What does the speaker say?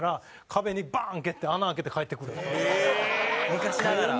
昔ながら。